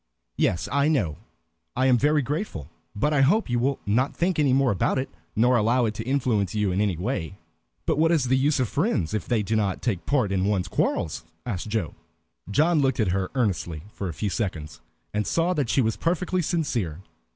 "Yes, I know. I am very grateful, but I hope you will not think any more about it, nor allow it to influence you in any way." "But what is the use of friends if they do not take a part in one's quarrels?" asked Joe. John looked at her earnestly for a few seconds, and saw that she was perfectly sincere.